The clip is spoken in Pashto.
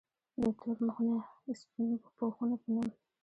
د “ تور مخونه سپين پوښونه ” پۀ نوم